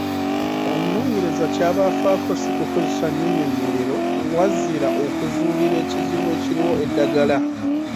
Omunooneyereza ky’aba afaako ssi kukozesa nnyinyonnyolero, wazira okuzuulira ekizibu ekiriwo eddagala.